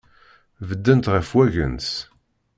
Beddent ɣef wagens.